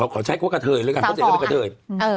ขอใช้ความว่ากระเทยเลยกันเพราะฉะนั้นเป็นกระเทย